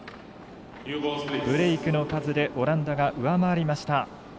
ブレークの数でオランダが上回りました。